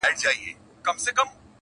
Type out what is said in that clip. هغه شپه مي د ژوندون وروستی ماښام وای،